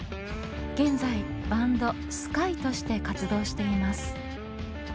現在バンド「ＳＫＹＥ」として活動しています。